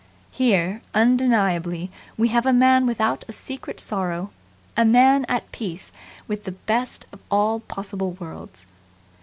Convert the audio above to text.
Here, undeniably, we have a man without a secret sorrow, a man at peace with this best of all possible worlds.